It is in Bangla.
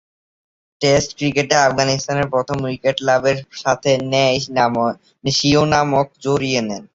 টেস্ট ক্রিকেটে আফগানিস্তানের প্রথম উইকেট লাভের সাথে স্বীয় নামকে জড়িয়ে নেন।